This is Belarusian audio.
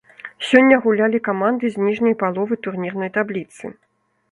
Сёння гулялі каманды з ніжняй паловы турнірнай табліцы.